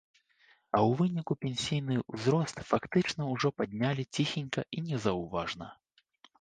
А ў выніку пенсійны ўзрост фактычна ўжо паднялі ціхенька і незаўважна.